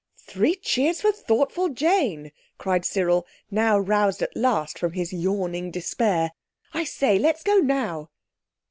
"Three cheers for thoughtful Jane," cried Cyril, now roused at last from his yawning despair. "I say, let's go now."